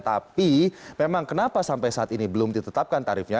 tapi memang kenapa sampai saat ini belum ditetapkan tarifnya